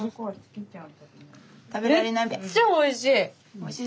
めっちゃおいしい！